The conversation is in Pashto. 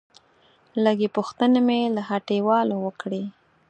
لږې پوښتنې مې له هټيوالو وکړې.